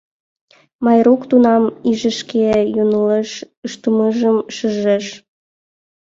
Майрук тунам иже шке «йоҥылыш» ыштымыжым шижеш.